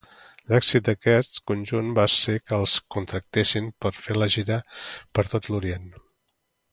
L'èxit d'aquest conjunt va fer que els contractessin per fer una gira per tot l'Orient.